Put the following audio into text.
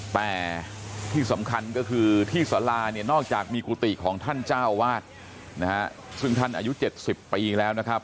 แต่ที่สำคัญก็คือที่สาราเนี่ยนอกจากมีกุฏิของท่านเจ้าวาดนะฮะซึ่งท่านอายุ๗๐ปีแล้วนะครับ